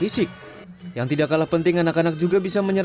iya kalau mas sendiri berapa lama mas bisa muter